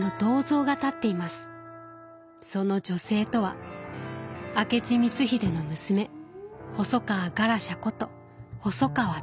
その女性とは明智光秀の娘細川ガラシャこと細川玉。